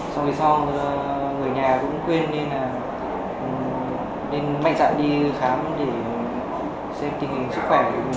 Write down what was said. xong rồi sau người nhà cũng quên nên là nên mạnh dạng đi khám để xem tình hình